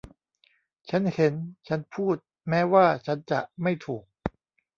ฉันเห็นฉันพูดแม้ว่าฉันจะไม่ถูก